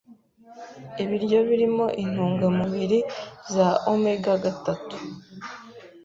Ibiryo birimo intungamubiri za omega-gatatu